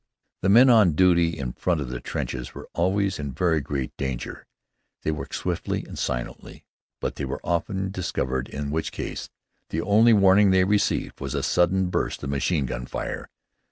The men on duty in front of the trenches were always in very great danger. They worked swiftly and silently, but they were often discovered, in which case the only warning they received was a sudden burst of machine gun fire.